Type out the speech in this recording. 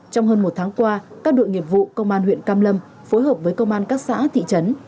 trong hơn một tháng qua các đội nghiệp vụ công an huyện cam lâm phối hợp với công an các xã thị trấn